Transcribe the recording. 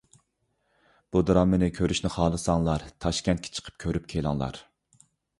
بۇ دىرامىنى كۆرۈشنى خالىساڭلار، تاشكەنتكە چىقىپ كۆرۈپ كېلىڭلار.